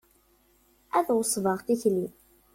Ad ɣesbeɣ tikli.